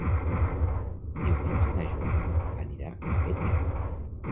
Diumenge na Joana anirà a Bétera.